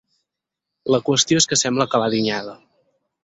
La qüestió és que sembla que l'ha dinyada.